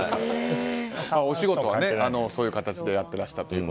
お仕事はね、そういう形でやってらっしゃったと。